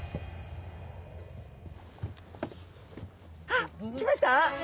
あっ来ました！？